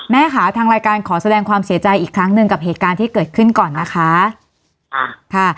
แม่ค่ะทางรายการขอแสดงความเสียใจอีกครั้งหนึ่งกับเหตุการณ์ที่เกิดขึ้นก่อนนะคะอ่าค่ะ